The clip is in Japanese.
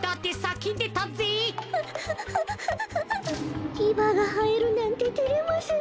きばがはえるなんててれますね。